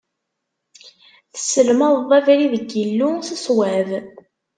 Tesselmadeḍ abrid n Yillu s ṣṣwab.